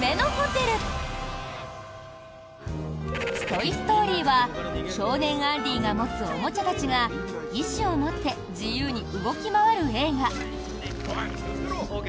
「トイ・ストーリー」は少年・アンディが持つおもちゃたちが意思を持って自由に動き回る映画。